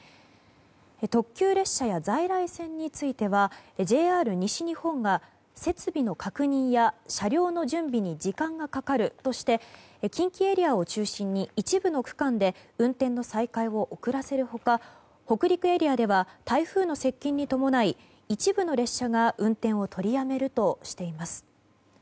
特急列車や在来線についてはＪＲ西日本が設備の確認や車両の準備に時間がかかるとして近畿エリアを中心に一部の区間で運転の再開を遅らせる他北陸エリアでは台風の接近に伴い一部の列車が運転を取りやめるとしています。